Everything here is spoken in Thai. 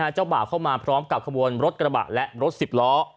เจ้าบ่าวเข้ามาพร้อมกับขบวนรถกระบะและรถสิบล้อ